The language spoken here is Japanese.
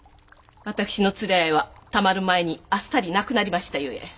私の連れ合いはたまる前にあっさり亡くなりましたゆえ。